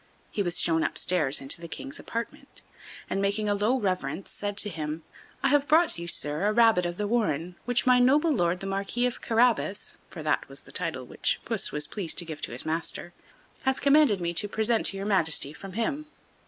He was shown upstairs into the King's apartment, and, making a low reverence, said to him: "I have brought you, sir, a rabbit of the warren, which my noble lord the Marquis of Carabas" (for that was the title which puss was pleased to give his master) "has commanded me to present to your majesty from him."